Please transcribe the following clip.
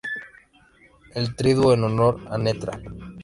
El Triduo en honor a Ntra.